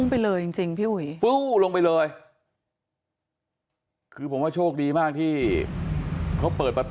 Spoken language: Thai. ไปเลยจริงจริงพี่อุ๋ยฟู้ลงไปเลยคือผมว่าโชคดีมากที่เขาเปิดประตู